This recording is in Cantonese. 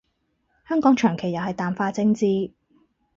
香港長期又係淡化政治